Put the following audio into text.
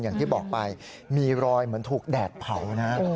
อย่างที่บอกไปมีรอยเหมือนถูกแดดเผานะ